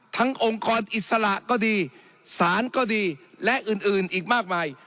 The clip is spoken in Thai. องค์กรอิสระก็ดีสารก็ดีและอื่นอีกมากมาย